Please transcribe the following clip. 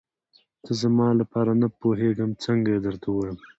ته زما لپاره نه پوهېږم څنګه یې درته ووايم.